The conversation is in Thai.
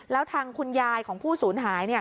แล้วทางคุณยายของผู้สูญหาย